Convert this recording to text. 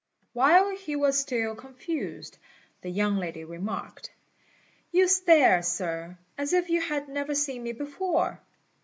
While he was still confused, the young lady remarked, "You stare, Sir, as if you had never seen me before!"